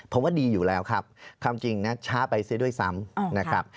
ผมว่าดีอยู่แล้วครับความจริงนะช้าไปซะด้วยซ้ำนะครับ